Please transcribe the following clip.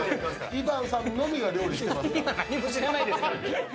イバンさんのみが料理してますから。